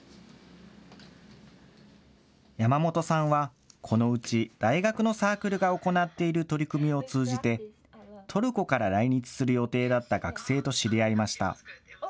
山本さんは、このうち、大学のサークルが行っている取り組みを通じて、トルコから来日する予定だった学生と知り合いました。